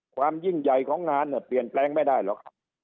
ความยิ่งใหญ่ของงานเนี่ยเปลี่ยนแปลงไม่ได้หรอกครับ